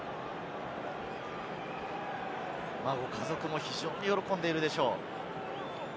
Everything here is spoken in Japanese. ご家族も非常に喜んでいるでしょう。